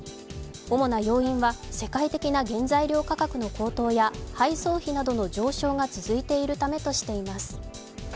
主な要因は世界的な原材料価格の高騰や配送費などの上昇が続いているためとしています。